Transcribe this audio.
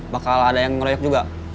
bakal ada yang ngeroyok juga